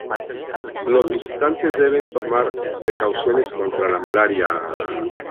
Los visitantes deben tomar precauciones contra la malaria.